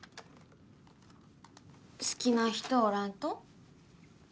好きな人おらんと？